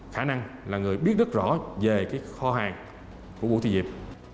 khả năng là người biết rất rõ về cái kho hàng của vũ thị diệp